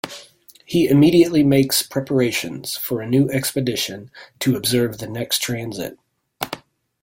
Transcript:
He immediately makes preparations for a new expedition to observe the next transit.